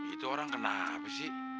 itu orang kenapa sih